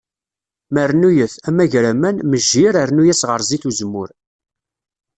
Marnuyet, amagraman, mejjir rnu-as ɣer zzit n uzemmur.